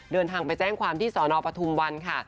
เดินทางไปแจ้งความที่สนปทุมวันค่ะ